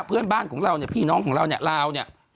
เพื่อนบ้านของเราเนี่ยพี่น้องของเราเนี่ยลาวเนี่ย